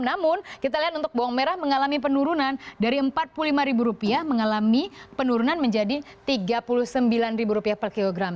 namun kita lihat untuk bawang merah mengalami penurunan dari rp empat puluh lima mengalami penurunan menjadi rp tiga puluh sembilan per kilogram